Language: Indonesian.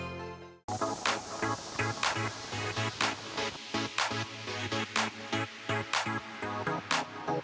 atau makan karadi di luar biasa